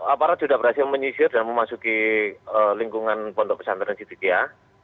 aparat sudah berhasil menyisir dan memasuki lingkungan pondok pesantren sidikia